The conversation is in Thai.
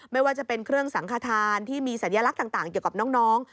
ไม่ว่าจะเป็นเครื่องสังขทานที่มีสัญลักษณ์ต่างเกี่ยวกับน้อง